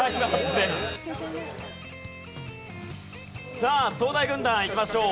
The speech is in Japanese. さあ東大軍団いきましょう。